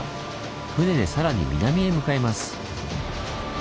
船でさらに南へ向かいます。